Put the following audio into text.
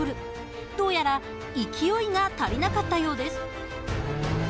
どうやら勢いが足りなかったようです。